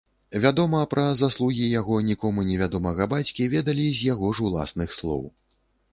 Вядома, пра заслугі яго нікому невядомага бацькі ведалі з яго ж уласных слоў.